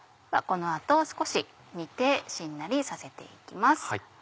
この後少し煮てしんなりさせて行きます。